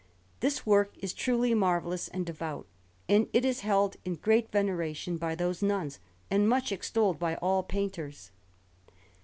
This work is truly marvellous and devout; and it is held in great veneration by those nuns, and much extolled by all painters.